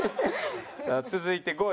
さあ続いて５位。